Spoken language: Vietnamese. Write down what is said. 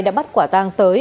đã bắt quả tàng tới